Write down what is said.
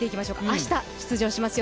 明日出場しますよ